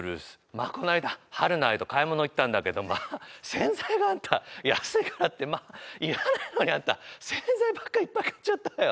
まあこの間はるな愛と買い物行ったんだけどまあ洗剤があんた安いからって要らないのにあんた洗剤ばっかりいっぱい買っちゃったわよ